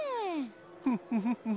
フッフフッフフ。